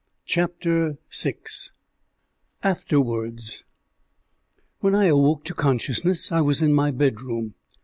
CHAPTER VI AFTERWARDS When I awoke to consciousness I was in my bedroom.